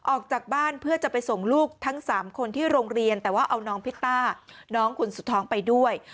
ออกจากบ้านเพื่อจะไปส่งลูกทั้ง๓คนที่โรงเรียนแต่ว่าเอาน้องพิตต้าน้องคนสุดท้องไปด้วย